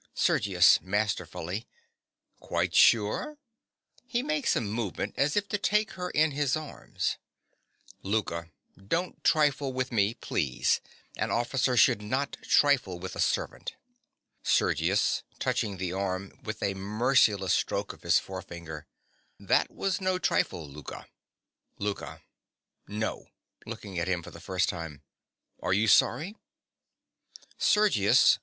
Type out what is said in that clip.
SERGIUS. (masterfully). Quite sure? (He makes a movement as if to take her in his arms.) LOUKA. Don't trifle with me, please. An officer should not trifle with a servant. SERGIUS. (touching the arm with a merciless stroke of his forefinger). That was no trifle, Louka. LOUKA. No. (Looking at him for the first time.) Are you sorry? SERGIUS.